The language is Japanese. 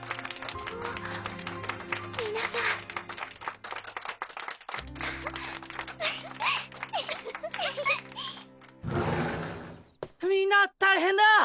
あっ皆さんみんな大変だ！